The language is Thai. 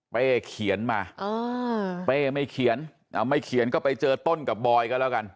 เป้เขียนมาเป้ไม่เขียนก็ไปเจอต้นกับบอยกันแล้วกัน